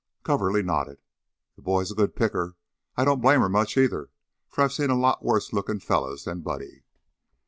Coverly nodded. "The boy is a good picker. I don't blame her much, either, for I've seen a lot of worse looking fellows than Buddy."